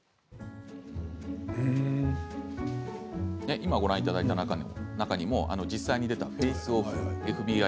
今ご覧いただいた中にも実際にいた「フェイス／オフ」。